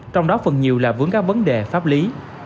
trong đó phần nhiều là vướng các vấn đề pháp lý